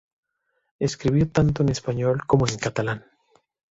Escribió tanto en español como en catalán.